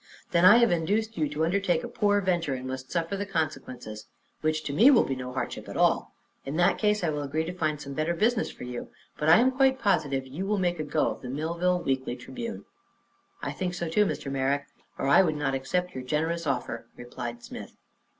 "Then I have induced you to undertake a poor venture and must suffer the consequences, which to me will be no hardship at all. In that case I will agree to find some better business for you, but I am quite positive you will make a go of the Millville Weekly Tribune." "I think so, too, Mr. Merrick, or I would not accept your generous offer," replied Smith.